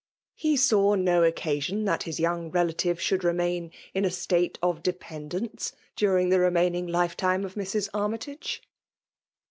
He •aw no occaeioo that his young relative flhoold remain in a atate of dependence during the remaininj^ lifetime of Mrs. Armytage.